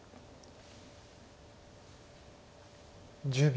１０秒。